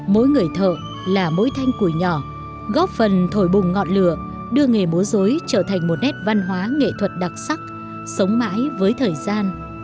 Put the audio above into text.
mỗi người thợ là mối thanh củi nhỏ góp phần thổi bùng ngọn lửa đưa nghề múa dối trở thành một nét văn hóa nghệ thuật đặc sắc sống mãi với thời gian